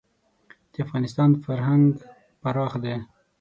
د افغانستان فرهنګ پراخ دی.